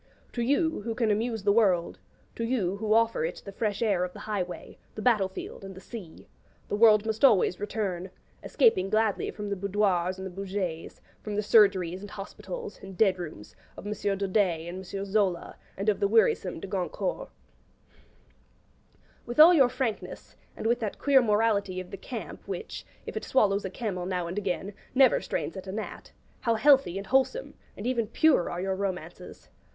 To you, who can amuse the world to you who offer it the fresh air of the highway, the battle field, and the sea the world must always return, escaping gladly from the boudoirs and the bouges, from the surgeries and hospitals, and dead rooms, of M. Daudet and M. Zola and of the wearisome De Goncourt. With all your frankness, and with that queer morality of the Camp which, if it swallows a camel now and again, never strains at a gnat, how healthy and wholesome, and even pure, are your romances!